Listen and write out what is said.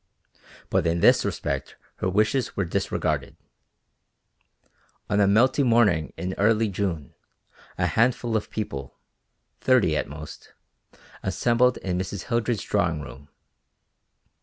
But in this respect her wishes were disregarded. On a melting morning in early June, a handful of people, thirty at most, assembled in Mrs. Hildred's drawing room.